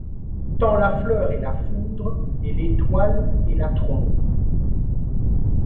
Tant la fleur et la foudre, et l’étoile et la trombe